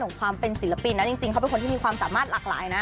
ของความเป็นศิลปินนะจริงเขาเป็นคนที่มีความสามารถหลากหลายนะ